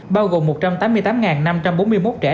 bao gồm một trăm tám mươi tám năm trăm bốn mươi một trẻ